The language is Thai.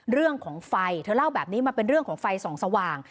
เรื่องของไฟเธอเล่าแบบนี้มันเป็นเรื่องของไฟส่องสว่าง